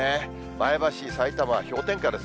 前橋、さいたま、氷点下です。